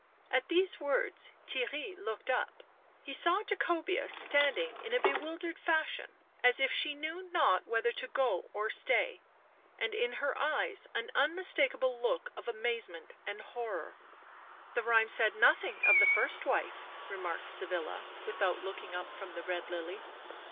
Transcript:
At these words Theirry looked up ; he saw Jacobea standing in a bewildered fashion, as if she knew not whether to go or stay, and in her eyes an unmistakablo look of amazement and horror. " The rhyme said nothing of the first wife," remarked Sybilla, without looking up from the red lily.